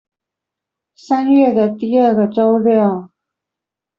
三月的第二個週六